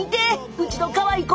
うちのかわいい子！